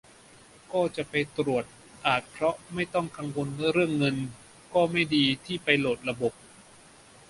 ก็จะไปตรวจ อาจเพราะไม่ต้องกังวลเรื่องเงิน - ก็ไม่ดีที่ไปโหลดระบบ